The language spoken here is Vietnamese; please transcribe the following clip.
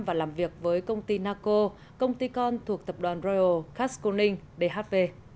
và làm việc với công ty naco công ty con thuộc tập đoàn royal casconing dhv